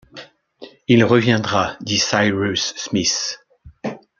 Il reviendra, dit Cyrus Smith